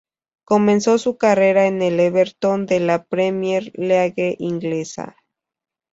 Comenzó su carrera en el Everton de la Premier League inglesa.